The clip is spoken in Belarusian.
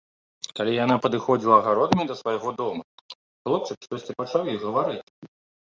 Калі яна падыходзіла агародамі да свайго дома, хлопчык штосьці пачаў ёй гаварыць.